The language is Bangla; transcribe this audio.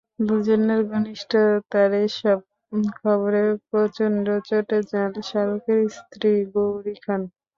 দুজনের ঘনিষ্ঠতার এসব খবরে প্রচণ্ড চটে যান শাহরুখের স্ত্রী গৌরী খান।